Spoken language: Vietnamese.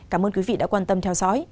cảm ơn quý vị đã quan tâm theo dõi